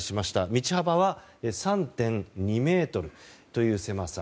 道幅は３．２ｍという狭さ。